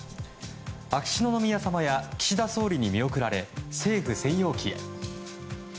秋篠宮さまや岸田総理に見送られ政府専用機へ。